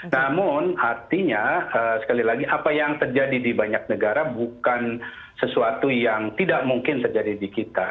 namun artinya sekali lagi apa yang terjadi di banyak negara bukan sesuatu yang tidak mungkin terjadi di kita